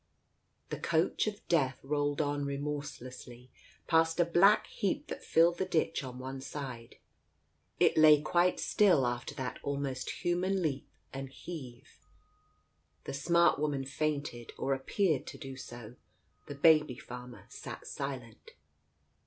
The Coach of Death rolled on remorselessly past a black heap that filled the ditch on one side. It lay quite still, after that almost human leap and heave. ... The smart woman fainted, or appeared to do so. The baby farmer sat silent.